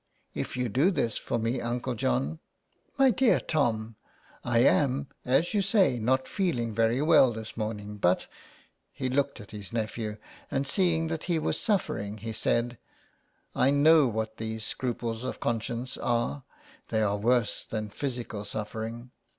If you do this for me. Uncle John "" My dear Tom, I am, as you say, not feeling very well this morning, but " S8 SOxME PARISHIONERS. He looked at his nephew, and seeing that he was suffering, he said —" I know what these scruples of conscience are; they are worse than physical suffering."